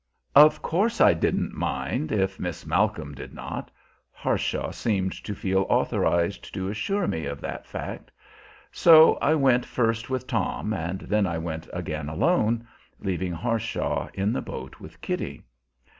Of course I didn't mind, if Miss Malcolm did not. Harshaw seemed to feel authorized to assure me of that fact. So I went first with Tom, and then I went again alone, leaving Harshaw in the boat with Kitty.